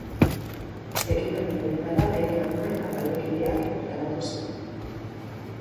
Ekitaldi honetara bere ama eta taldekideak bertaratu ziren.